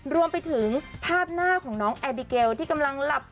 รวมไปถึงภาพหน้าของน้องแอบิเกลที่กำลังหลับ